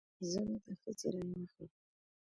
زه به د ښځې رای واخلم.